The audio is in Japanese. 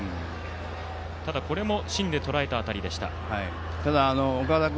ただ、これも芯でとらえた当たりでした。